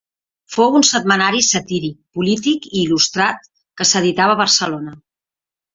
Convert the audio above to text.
Fou un setmanari satíric, polític i il·lustrat que s'editava a Barcelona.